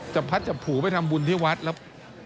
กับพัทรกับผู้โครงการไปทำบุญที่วัดแล้ว